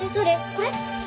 これ？